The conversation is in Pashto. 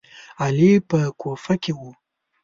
علي په کوفه کې و.